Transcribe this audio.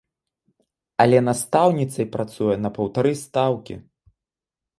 Але настаўніцай працуе на паўтары стаўкі!